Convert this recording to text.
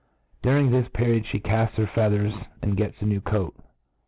During this period, fhe cafts her feathers, and gets a new coat.